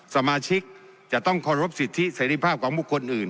สมาชิกจะต้องเคารพสิทธิเสรีภาพของบุคคลอื่น